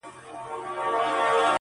له هغه خو مي زړگی قلم قلم دئ٫